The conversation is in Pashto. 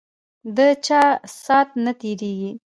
ده چا سات نه تیریږی